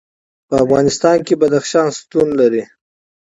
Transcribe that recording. په افغانستان کې بدخشان شتون لري.